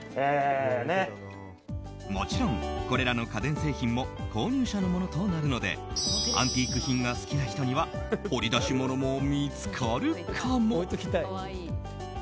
もちろん、これらの家電製品も購入者のものとなるのでアンティーク品が好きな人には掘り出し物も見つかるかも。